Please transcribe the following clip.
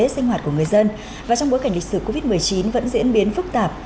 sinh hoạt của người dân và trong bối cảnh lịch sử covid một mươi chín vẫn diễn biến phức tạp